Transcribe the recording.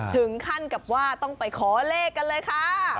ถึงขั้นกับว่าต้องไปขอเลขกันเลยค่ะ